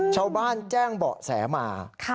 ชาวบ้านแจ้งเบาะแสมา